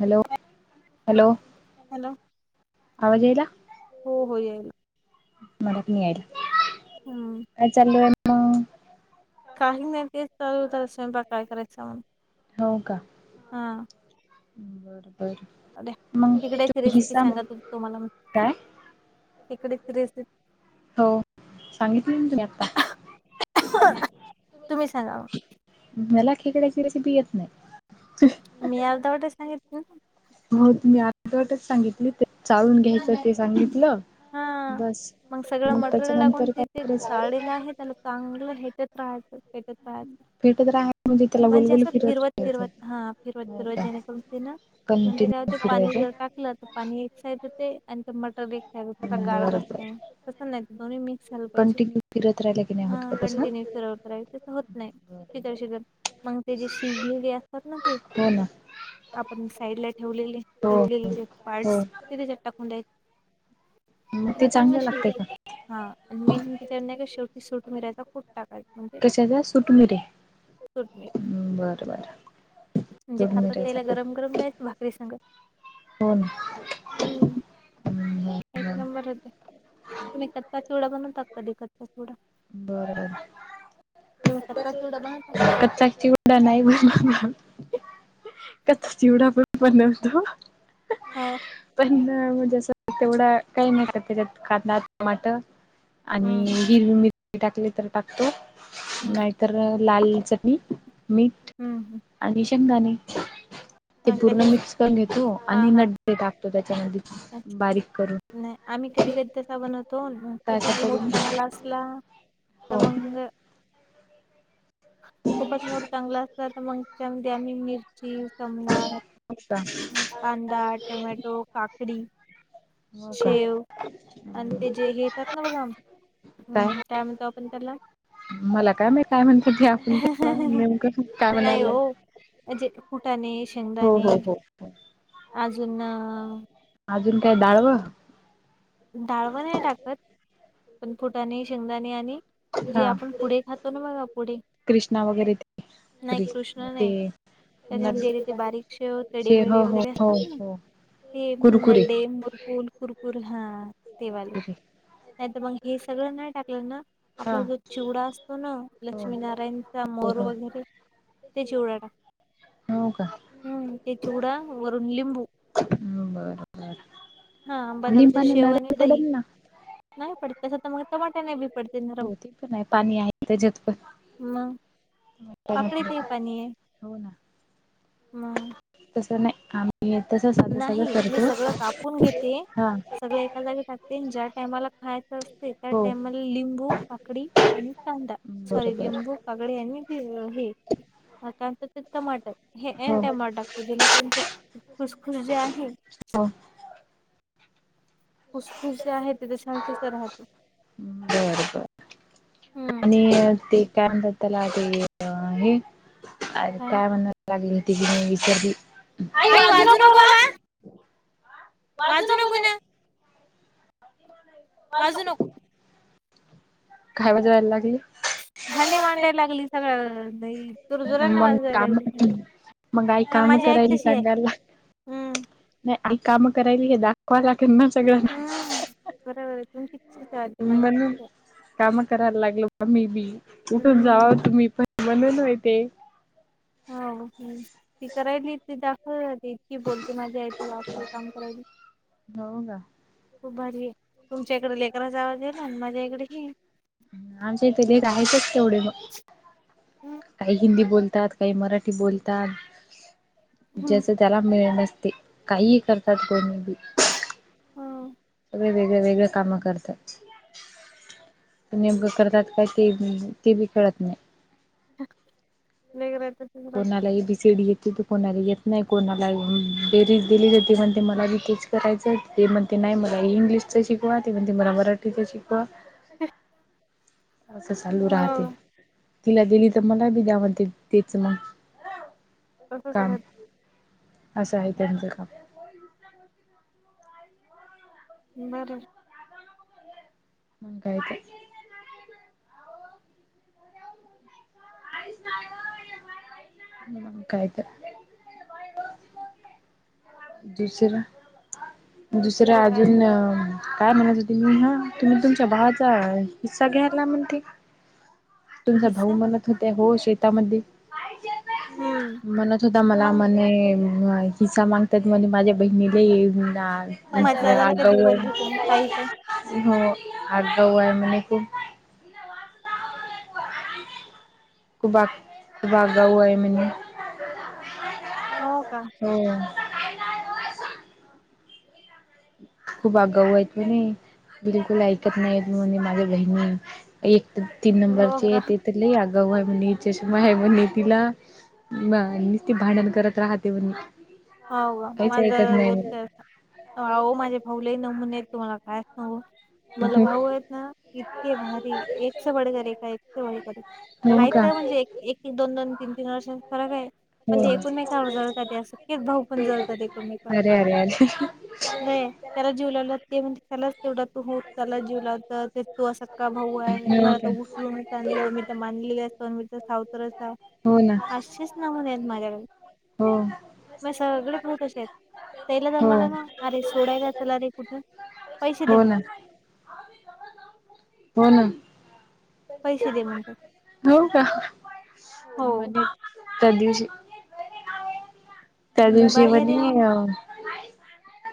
Hello hello. Hello! आवाज यायला. हो हो याईल. मत् नाही. हा. चाल. काही नाही ते चाल होत स्वयंपा काय करायचा म्हग हो का? हा. बर बर. अ्या मग इकडची तुम्ही रेसिपी हिस्सा सांगत होते तुम्हाला काय इकडेच रेसिपी. हो सांगितलं तुम्ही आता तुम्ही सांगा मग. मला खेकडची रेसिपी येत नाही मि आलता वाटच ना इथन हो तुम्ही अर्धवटच सांगितली ते चाळून हम्म. घ्यायचं ते सांगितलं. हा बस मग सगळं मटेरियल लागून त्याच्यानंतर काय तिथे करायचं चालेलं आहे त्याला. चांगलं ह्याच्यात राहायचं. हायचं फेटत राहा त्याला म्हणजे गोलगोल असं फिरवत राहायचं फिरवत हा फिरवताना हो फिरवत का जेणेकरूनते ना. मग ते कंटिन्यू होते पाणी जर फिरवायचं टाकलं तर पाणी एक साइड होते आणि ते मटर एक त्या गाळ बरं बसते बरं तस नाही दोन्ही मिक्स झालं पाहिजे कंटिन्यू फिरत राहिला की नाही होत हा का तसं कंटिन्यूव होत नाही बरं शितर शितर बरं मग ते जे शिबगे असतात ना ते. हो ना आपण साईड ला ठेवलेले हो झिजलेले ज हो पार्टस ते त्याच्यात टाकून दयेत मग ते त्याला चांगलं शूज लागते का दयचं हा मेच्या नाही का शेवटी सूट मिरायचा खूप टाकायचं म्हणजे. का सुट मरे. सूट मिरा बरं बरं. म्हणजे खातात सुटमिरेचा त्याला कुट गरम गरम द्यायच भाकरी सग हो ना. हम्म. हम्म एक बरं नंबर होते तुम्ही कच्चा चिवडा बनवता कधी कच्चा चिवडा बरं. तुम्ही कच्चा चिवडा बनवता कचातव चवडा नाही बन म कचा चिवडा पण पण बनवतो. हा पणजस तेवढं. काही नाही का त्याच्यात कदा टमाट आणि हम्म हिरवी मिर टाकले तर टाकतो हम्म नाहीतर लाल चटणी मीठ. हम् हम. आणि शेंगदाणे ते हा पूर्ण कधी मिक्स करून घेतो हा आणि हा नड्डे टाकतो त्याच्यामध्ये बारीक करून नाही आम्ही कधी कधी तसा बनवतो काय खूपच करतो मूड तुम्ही चांगला असला हो त्या मग हिंग हो पपट मोड चांगला असत तर मग त्यामध्ये आम्ही मिरची संबार अच्छा. कांदा, टमॅटो, काकडी हो का शेव आणि ते जेेतात ना बघा काय त्यामध्ये पण त्याला मला काय मा काय म्हणतात ते आपण नेमक काय म्हणायला जे कुटाने हो शेंगदाने हो हो हो अजून अजून काय दाळव डाळवण नाही टाकत पण फुटाने शेंगदाणे आणि म्हणजे हा आपण पुढे खातो ना बघा पुढे कृष्णा वगैरे ते नाही क्रि कृष्ण ते नाही न त्याच्या तेरि तेे बारीकश ते हो तळेमेळे हो वगैरे हो असतात ना हो ते कुरकुरे नड्डे मुरकूल कुरकुर हा तेवाले कुरकुरे नाही तर मग हे सगळं नाही टाकलं ना हा आपला जो चिवडा असतो ना हो लक्ष्मीनारायणचा हो मोर हो वगैरे ते चूडाडा हो का हम्म ते चूडा वरुून लिंबू हम बरोबर हा अंबादा बद शेव आणि दही नाही पडत तस तर मग टमाट्या नाही बी पडते नरम हो ते पण आहे पाणी आहे त्याच्यात पण मग काकडी ते पाणी आहे हो ना मग तसं नाही आम् तसं साधं साधं नाही मी करतो सगळं कापून घेते हा सगळं एखा जागी टाकते ज्या टायमाला खा अस त्या हो टामला लिंबू काकडी आणि कांदा सॉरी बरोबर लिंबू काकडे आणि हे आ त्यांच ते टमाटर हे हो अनटमा हो टाक जेणेकर खुसखुस जे आहे फुसफुस जे आहे ते ते शांतीच राहतो बर बर हम्म आणि ते कॅब बद्दल आ हे काय कॅब ती क विचारली आई वाजू नक वाजू नको न वाजू नको. काय मजा रायला लागली भडी मांडायला लागली सगळ्या तुरजोराांना मग वाजायला काम लागलीडी मग काई काम करायली सांगायला हम् नाही आई कामं करायली हे दाखवा लागना सगळं हम्म. बरोबर आहे तुमची् वा मा म्हणून काम करायला लागलो बा मे बी उठून हम्म जावा होतु मी पण बणून होय ते [unintelligible] की बोलते माझ्या आथ वापर काम कराय हो का खूप भारी आहे तुमच्या इकडे लेकराचा आवाजेला आणि माझ्या इकडे ह आमच्या इथे लेख आहेचच तेवढे मग ह काही हिंदी बोलतात काही मराठी बोलतात हम्म. जस त्याला ळ नसते काहीही करतात कोणी बी हम वे वेगळे वेगळे्या कामं करतात निग करतात काय ते ते बी खेळत नाही देग रा तर कोणालाही सीडी येते तर कोणाला येत नाही कोणाला बेरी दिली जाते पण ते मला री तेच करायचं ते म्हणते नाही मला इंग्लिशचं शिकवा ते म्हणते मला मराठीचं शिकवा ह असं चालू राहते. तिला दिली तर म्हणल बी द्या, म्हणती तेच मग तसच काम. राहत असं आहे त्यांचं काम. बरं. काय ते. काय तर. दुसरं, दुसरं काय अजून. नाही बघ. काय म्हणत होती मी हा, तुम्ही तुमच्या भावाचा हिस्सा घ्याला म्हणती. तुमचा भाऊ किस्सा म्हणत होते, हो शेतामध्ये हम्म म्हणत होता. मला मग म्हणे, मय हिसा मागतात म्हणे, माझ्या बहिणीले [unintelligible] अच माझ्या दादाला कधी आगाऊ बोलली तुम्ही काही पण आहे हो, आगाऊ आहे म्हणे खूप. [unintelligible] [unintelligible] आहे म्हण. हो का. हो. खूप आगाऊ आहेत म्हणे, बिलकुल ऐकत नाही म्हणे माझ्या बहिणी. एक तर तीन हो नंबरचे आहे का ती तर लै, आगाऊ आहे म्हणे चषमा आहे म्हणे तिला. म.. निस्त भांडण करत राहते म्हणे. हो काहीच माझ ऐकत नाही बोलते असं, माझे भाऊ लै नमूने हायत. तुम्हाला काय सांगू, मला भाऊ म्हणे. आहेत. हो का? [unintelligible] एक एक, दोन दोन, तीन तीन वर्षांचा फरक आहे. पण ते त्यांना एकूण एकमेकावर जळत ते असं. भाऊ पण जळतात एकमेकावर, अरे अरे अरे. व्हयं त्याला जीव लावला ते म्हणते. त्यालाच तेवढा तू हो त्याला जीव लावते, तो तू सख्ख्या भाऊ आहे. हो मला तर का? उच लुणच आणलं, मी तर मानलेली असतो मी तर. सावतरच हाय. हो ना. अशेच नमुन आहेत माझ्याकडे. हो. मग सगळे भाऊ तशेत हायत, हो. [unintelligible] अरे सोडायला चला अरे कुठं. पैसे दे हो म्हणे. ना. होण. पैसे दे म्हणतात हो का, हो म्हणे त्या दिवशी. त्या दिवशी बाहेर या मग म्हणे,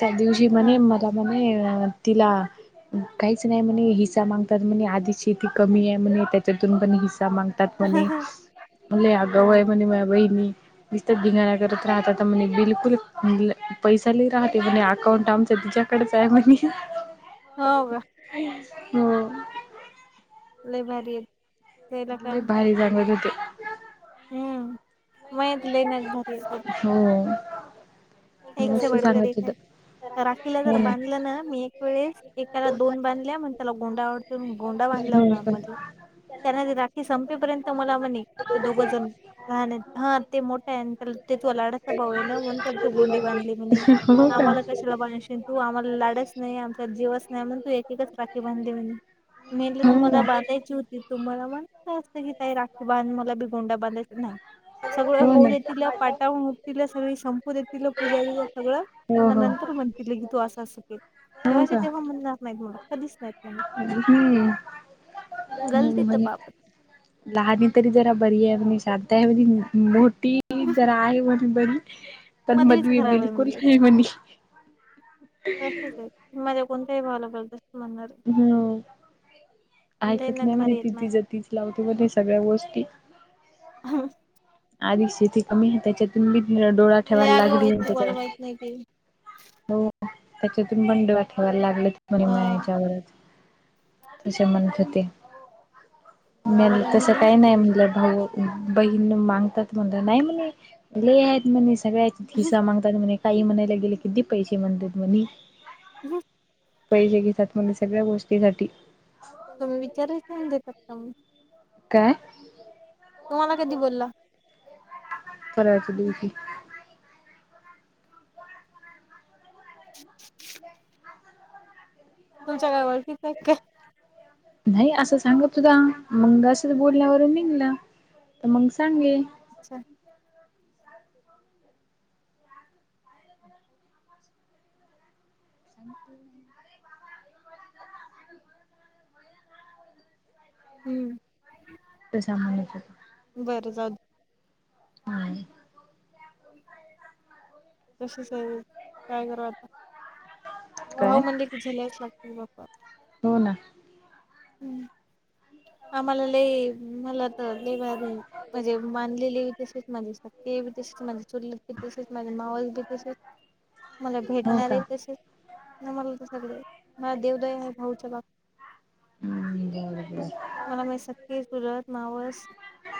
त्या दिवशी हा म्हणे मला मो तिला. काहीच नाही म्हणे, हिस्सा मागतात म्हणे आधीच शेती कमी आहे म्हणे, त्याच्यातून पण हिस्सा माग तात म्हणे लै आगाव हो हायत म्हणे, माझ्या बहिणी निस्ता घिंगाण्या करत राहतता म्हणे, बिलकुल पैसा लै राहते म्हणे अकाउंट आमच्या तिच्या कडच आहे म्हणे. हो का. हो. लै भारीत. [unintelligible] हम्म. [unintelligible] हो. मस्त सांगत होत [unintelligible] राखीला जर बांधलं ना, मी एक वेळेस. एकाला दोन बांधल्या मग त्याला गोंडा आवडते, म्हणून गोंडा बांधला होय का [unintelligible] त्यांना राखी संपेपर्यंत मला म्हणे, ते दोघं जण [unintelligible] गोंडी बांधली म्हणे, हो का. आम्हाला कशा तिला बोलाशीन तू, आम्हाला लाडच नाही, आमच्यात जीवच नाही म्हण तू एक एकच राखी बांधली म्हणी. मी म्हटलं हो तुम्हाला ना. बांधायची होती तुम्हाला बां बोललं असत की ताई राखी बांध. मला बी गोंडा बांधायच नाही. सगळं हो होऊ ना. देतील, पाटावून उठतील, सगळी संपू देतील पूजा बीजा सगळ. हो. नंतर म्हणतील की तू अस अस केल. हो हो तेव्हाच्या तेव्हा म्हणणार नाहीत म. कधीच नाही. हं. गलती हं तर म्हणे, बापत लहणी तरी जरा बरी आहे म्हणी, शांत आहे म्हणी. मो टी जर आहे म्हणे बरी. पण मध्येच मधली खराब आहे बिलकुल म्हणलं नाही म्हणी. पस्तीस आहे. पण माझ्या कोणत्याही भावाला बर्डन हं. ते ऐकत ना नाही म्हने भारी ती. आहेत तिच तीच लावते म्हणे सगळ्या गोष्टी. [unintelligible] आधिच शेती कमी. त्याच्यातून बी डोळा लई ठेवायला आघाव लागली आहे तू, मला माहित नाही काही. हो त्याच्यातून बंड ऊठवायला लागल म्हणी हा माह्यायाच्यावरच. असे म्हणत होते. मी म्हणलं बाबाला तसं म्हणले काही नाही म्हणलं भाऊ. बहीण मागतात म्हणत. नाही म्हणे लई आहेत म्हणे, सगळ्यात हिसा मागतात म्हणे. काही म्हणायला गेले कि दे पैसे म्हणतात म्हणी. [unintelligible] पैसेे घेतात म्हणे सगळ्या गोष्टीसाठी. तुम्ही विचारायच नाही ना देतात का म्हणून. काय? तुम्हाला कधी बोलला? परवाच्या दिवशी. [inaudible] तुमच्या काय वळखीचाये काय? नाही असं सांगत होता. मंग असंच बोलण्यावरून निघलं. तर मग सांगले. अच्छा! [unintelligible] हं. तसा म्हणत होता. बरं जाऊदे. हं. तसेच आहेत सगळे. काय करावं आता. काय भाऊ म्हणलं की झेलावचं लागते बाप्पा. हो ना. हं. आम्हाला लई, मला तर लई भारी माझे मानलेले बी तसेच, माझे सख्खे बी तसेच, माझे चुलत बी तसेच, माझे मावस बी तसेच. मला हो भेटणारे का तसेच ना मला त सगळे. मला देवदाय आहे भाऊच्या बाबतीत. हं. बरं बरं. मला माहे सख्खे, चुलत, मावस,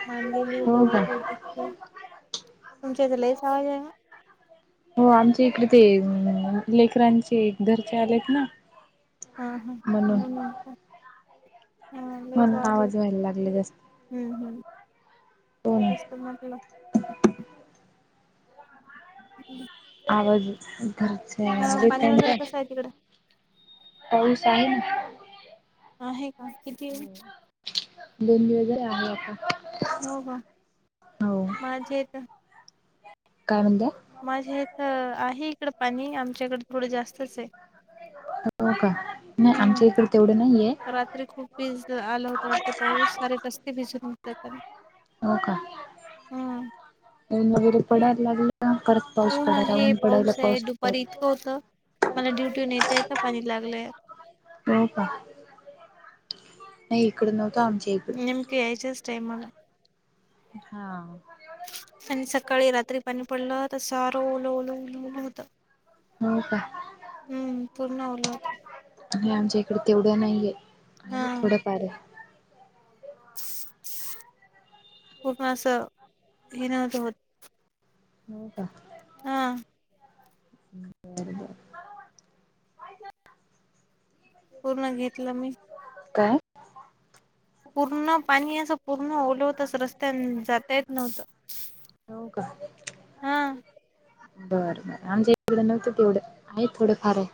मानलेले, हो का जवळचे दूरचे तुमच्या इथं लईच आवाज आहे बा. हो आमच्या इकडे ते अं लेकरांचे घरचे आलेत ना. हा हा. म्हणून का? म्हणून आवाज व्हायला लागले जास्त. हं हं. हो ना तेच तर म्हटलं. [inaudible] आवाज खरच यायला हा लागले पाणी वगैरे त्यांचा. कसं आहे तिकडं? पाऊस आहे ना. आहे का, कितीये? दोन दिवस झाले. आहे आता. हो का हो माझ्या इथं काय म्हणताय माझ्या इथ आहे इकड पाणी आमच्या इकड थोड जास्तच आहे हो का नाही आमच्या हम्म इकडे तेवढं नाहीये रात्री खूप तेज आलं होता वाटते पाऊस सारे रस्ते भिजून हो का हम्म ऊन वगैरे पडायला लागलंत ऊन आहे पाऊस आहे दुपारी इतकं होतं मला ड्युटीवर येता येता पाणी लागलंय हो का नाही इकड नव्हतं आमच्या इक नेमक यायच्याच टाईमाला हा आणि सकाळी रात्री पाणी पडलं तसं सार ओल ओल होत हो का हम्म पूर्ण ओले होते आणि आमच्या इकडे तेवढं नाहीये आहे हा थोड फार आहे पूर्ण असं हे नव्हतं होत हो का हा बर बर पूर्ण घेतलं मी काय पूर्ण पाणी असं पूर्ण ओल होत अस रस्त्याने जाता येत नव्हतं हो का हा बरं बरं आमच्या इकड नव्हतं तेवढं आहे थोडं फार आहे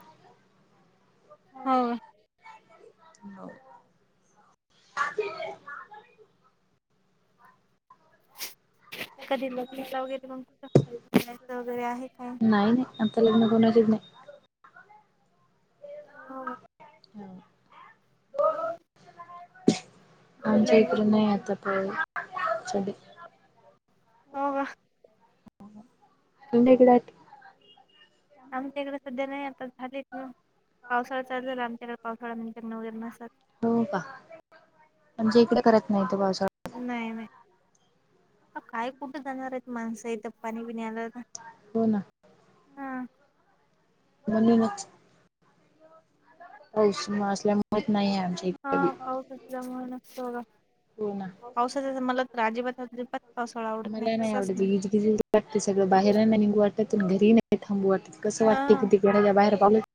हो होव कधी लग्नाला वगैरे मग च्या वगैरे आहे काय अआता लग्न कोणाचच नाही हो का हो. [inaudible] आमचा लग्न इकडं नाय आता पाऊस [unintelligible] तू नाही इकडे आमच्या इकड सध्या नाही आता झालेच ना पावसाळा चालू झाला आमच्याकडे पावसाळा म फिरन वगैरे नसेल हो का म्हणजे इकडे करत नाही तो पावसाळा नाही नाही काय कुठे जाणार आहेत माणसं इथं पाणी बिनी आलं का हो ना हा म्हणूनच पाऊस असल्यामुळे होत नाहीये आमच्या इथ हा पाऊस नसल्यामुळे नसतो बघा हो ना पावसाचा मला तर अजिबात पावसाळा आवडत नाही कसच नाही ट सगळ बाहेर आहे ना निघू वाटत घरी नाही थांबू वाटत कसं हा वाटत कि घराच्या बाहेर पावलं